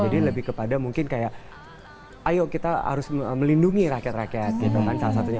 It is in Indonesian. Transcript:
jadi lebih kepada mungkin kayak ayo kita harus melindungi rakyat rakyat gitu kan salah satunya